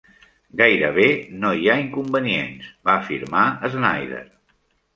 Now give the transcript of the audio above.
"Gairebé no hi ha inconvenients", va afirmar Snyder.